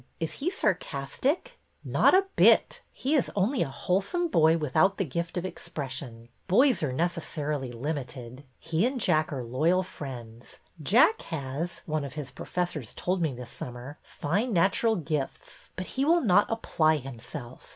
Is he sarcastic ?" Not a bit. He is only a wholesome boy with out the gift of expression. Boys are necessarily limited. He and Jack are loyal friends. Jack has, one of his professors told me this summer, fine natural gifts, but he will not apply himself.